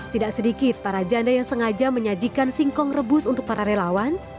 tidak sedikit para janda yang sengaja menyajikan singkong rebus untuk para relawan